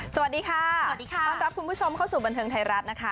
สวัสดีค่ะสวัสดีค่ะต้อนรับคุณผู้ชมเข้าสู่บันเทิงไทยรัฐนะคะ